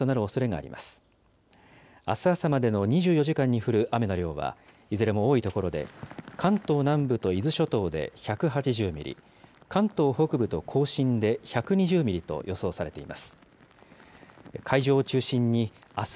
あす朝までの２４時間に降る雨の量は、いずれも多い所で関東南部と伊豆諸島で１８０ミリ、関東北部と甲信で１２０ミリと予想されています。